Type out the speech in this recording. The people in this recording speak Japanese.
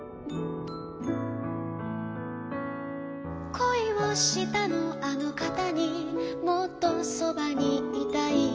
「こいをしたのあのかたにもっとそばにいたい」